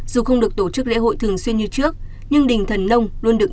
dù không được tổ chức lễ hội thường xuyên như trước nhưng đình thần nông luôn được